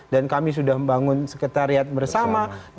dan kami sudah membangun sekretariat bersama